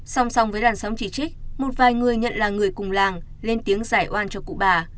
song song với làn sóng chỉ trích một vài người nhận là người cùng làng lên tiếng giải oan cho cụ bà